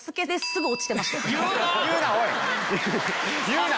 すぐ落ちてましたよ。